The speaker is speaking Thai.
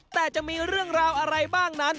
แต่จะมีเรื่องราวอะไรบ้างนั้น